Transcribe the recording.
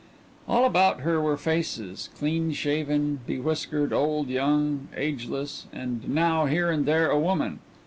All about her were faces clean shaven, bewhiskered, old, young, ageless, and now, here and there, a woman.